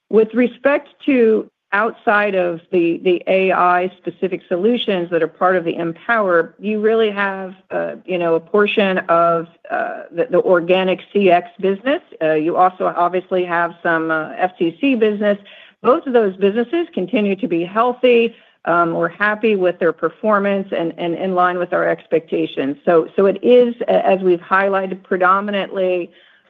With respect to outside of the AI-specific solutions that are part of the CXone Mpower, you really have a portion of the organic CX business. You also obviously have some FTC business. Both of those businesses continue to be healthy. We're happy with their performance and in line with our expectations. It is, as we've highlighted,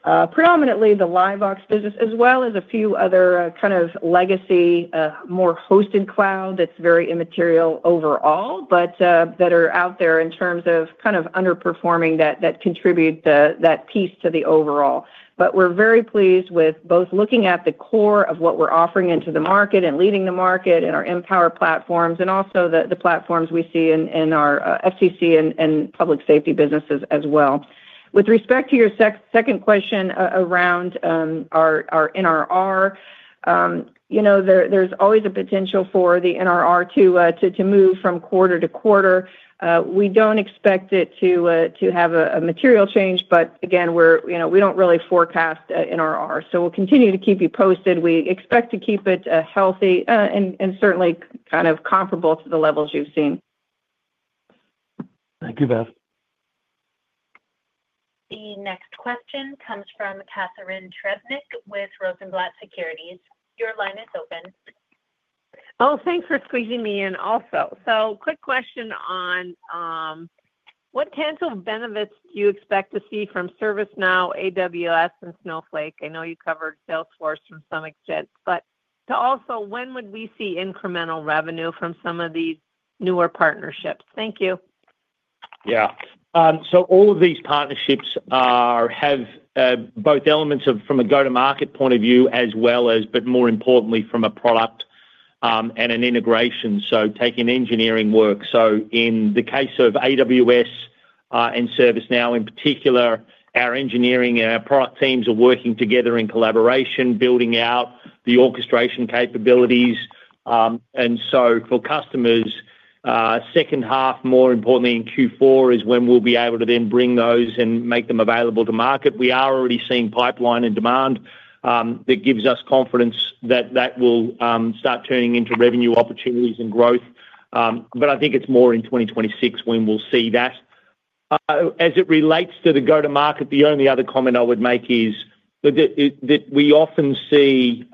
predominantly the LiveVox business, as well as a few other kind of legacy, more hosted cloud that's very immaterial overall, but that are out there in terms of kind of underperforming that contribute that piece to the overall. We're very pleased with both looking at the core of what we're offering into the market and leading the market and our CXone Mpower platforms and also the platforms we see in our FTC and public safety businesses as well. With respect to your second question around our NRR, there's always a potential for the NRR to move from quarter to quarter. We don't expect it to have a material change, but again, we don't really forecast NRR. We'll continue to keep you posted. We expect to keep it healthy and certainly kind of comparable to the levels you've seen. Thank you, Beth. The next question comes from Catharine Trebnick with Rosenblatt Securities. Your line is open. Thanks for squeezing me in also. Quick question on what potential benefits do you expect to see from ServiceNow, AWS, and Snowflake? I know you covered Salesforce to some extent, but also, when would we see incremental revenue from some of these newer partnerships? Thank you. Yeah. All of these partnerships have both elements from a go-to-market point of view as well as, but more importantly, from a product and an integration. Taking engineering work, in the case of Amazon Web Services and ServiceNow in particular, our engineering and our product teams are working together in collaboration, building out the orchestration capabilities. For customers, second half, more importantly in Q4, is when we'll be able to then bring those and make them available to market. We are already seeing pipeline and demand that gives us confidence that that will start turning into revenue opportunities and growth. I think it's more in 2026 when we'll see that. As it relates to the go-to-market, the only other comment I would make is that we often see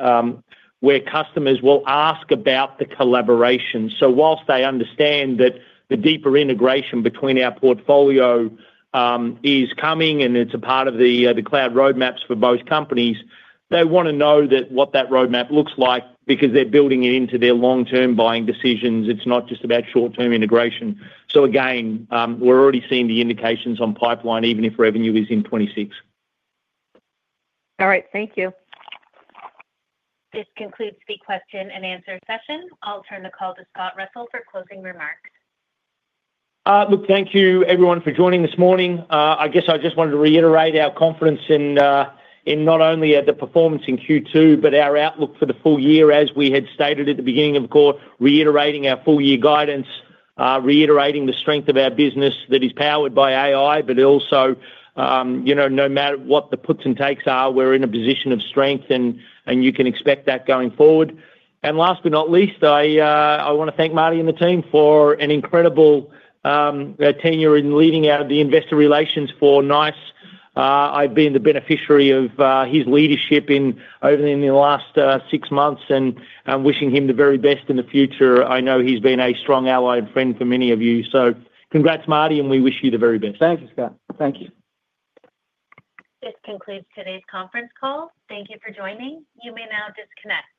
where customers will ask about the collaboration. Whilst they understand that the deeper integration between our portfolio is coming and it's a part of the cloud roadmaps for both companies, they want to know what that roadmap looks like because they're building it into their long-term buying decisions. It's not just about short-term integration. Again, we're already seeing the indications on pipeline, even if revenue is in 2026. All right. Thank you. This concludes the question and answer session. I'll turn the call to Scott Russell for closing remarks. Thank you, everyone, for joining this morning. I just wanted to reiterate our confidence in not only the performance in Q2, but our outlook for the full year, as we had stated at the beginning of the call, reiterating our full-year guidance, reiterating the strength of our business that is powered by AI. No matter what the puts and takes are, we're in a position of strength, and you can expect that going forward. Last but not least, I— want to thank Marty and the team for an incredible tenure in leading out of the Investor Relations for NiCE. I've been the beneficiary of his leadership over the last six months and wishing him the very best in the future. I know he's been a strong ally and friend for many of you. Congrats, Marty, and we wish you the very best. Thank you, Scott. Thank you. This concludes today's conference call. Thank you for joining. You may now disconnect.